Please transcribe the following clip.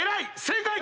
正解！